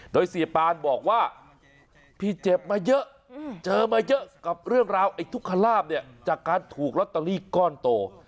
โดยเสียปานบอกว่าพี่เจ็บมาเยอะเจอมาเยอะกับเรื่องราวไอ้ทุกขลาบเนี่ยจากการถูกลอตเตอรี่ก้อนโต